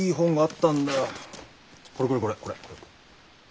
これこれこれこれ。